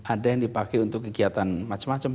ada yang dipakai untuk kegiatan macam macam